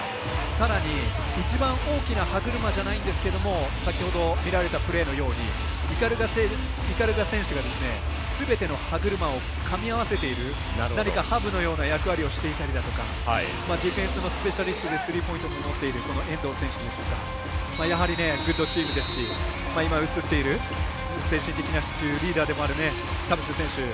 さらに、一番大きな歯車じゃないんですけど先ほど見られたプレーのように鵤選手がすべての歯車を噛み合わせている何かハブのような役割をしていたりだとかディフェンスのスペシャリストでスリーポイントも持っている遠藤選手ですとかやはり、グッドチームですし精神的な支柱リーダーでもある田臥選手。